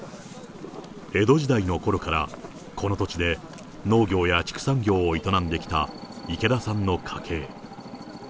江戸時代のころから、この土地で、農業や畜産業を営んできた池田さんの家系。